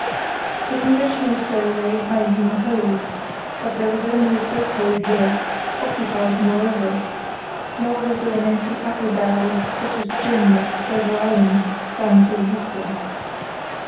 The conventional stowaway hides in the hold, but there was only a stokehold here, occupied moreover; nor was there an empty apple barrel, such as Jim of Treasure Island found so useful.